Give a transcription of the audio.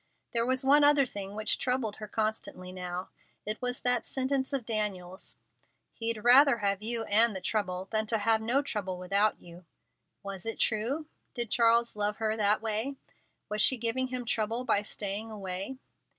There was one other thing which troubled her constantly now. It was that sentence of Daniel's: "He'd rather have you and the trouble, than to have no trouble without you." Was it true? Did Charles love her that way? Was she giving him trouble by staying away?